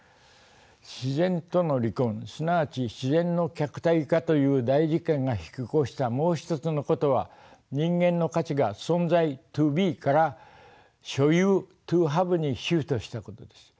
自然との離婚すなわち自然の客体化という大事件が引き起こしたもう一つのことは人間の価値が存在ｔｏｂｅから所有ｔｏｈａｖｅにシフトしたことです。